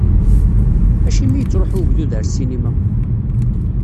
Acimi yettṛuhu wegdud ar ssinima?